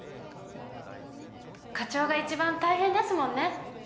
課長が一番大変ですもんね。